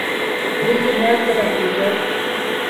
Рехенялтӹнӓт, векӓт!